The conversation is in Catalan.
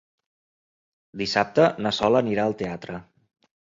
Dissabte na Sol anirà al teatre.